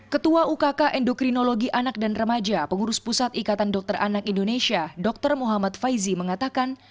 ketua ukk endokrinologi anak dan remaja pengurus pusat ikatan dokter anak indonesia dr muhammad faizi mengatakan